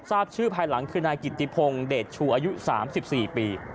ทราบชื่อภายหลังคือนายกิติพงศ์เดชชูอายุ๓๔ปี